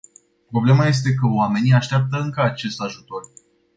Problema este că oamenii așteaptă încă acest ajutor.